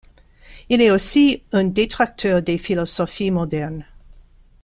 Il est aussi un détracteur des philosophies modernes.